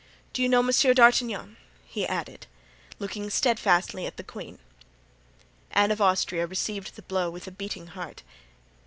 Do you know Monsieur d'Artagnan?" he added, looking steadfastly at the queen. Anne of Austria received the blow with a beating heart.